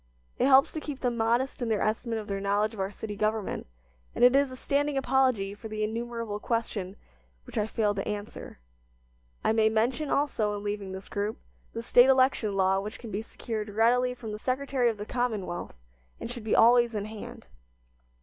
It helps to keep them modest in their estimate of their knowledge of our city government, and it is a standing apology for the innumerable question which I fail to answer. I may mention, also, in leaving this group, the State election law which can be secured readily from the Secretary of the Commonwealth, and should be always in hand.